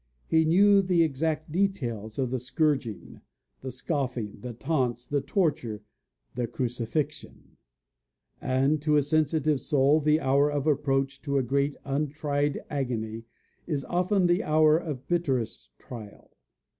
He knew the exact details of the scourging, the scoffing, the taunts, the torture, the crucifixion; and to a sensitive soul the hour of approach to a great untried agony is often the hour of bitterest trial.